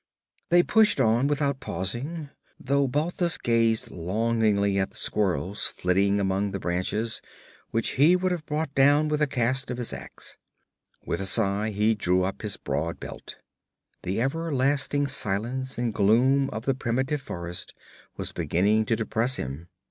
They pushed on without pausing, though Balthus gazed longingly at the squirrels flitting among the branches, which he could have brought down with a cast of his ax. With a sigh he drew up his broad belt. The everlasting silence and gloom of the primitive forest was beginning to depress him.